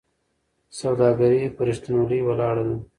سوداګري په رښتینولۍ ولاړه ده.